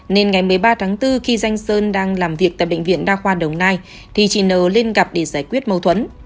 nên ngày một mươi ba tháng bốn khi danh sơn đang làm việc tại bệnh viện đa khoa đồng nai thì chị n lên gặp để giải quyết mâu thuẫn